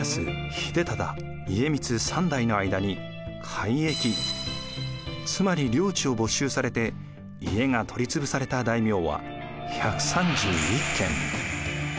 秀忠家光３代の間に改易つまり領地を没収されて家が取り潰された大名は１３１件。